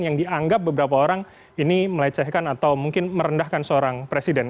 yang dianggap beberapa orang ini melecehkan atau mungkin merendahkan seorang presiden